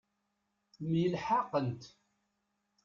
Myelḥaqent.